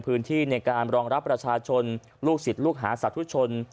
พื้นที่ในการรองรับประชาชนลูกศิษย์ลูกหาสาธุชน